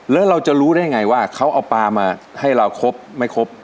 แล้วเราจะรู้ได้ไงว่าเขาเอาปลามาให้เราครบไม่ครบ